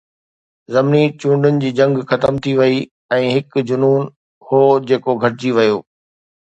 ضمني چونڊن جي جنگ ختم ٿي وئي ۽ هڪ جنون هو جيڪو گهٽجي ويو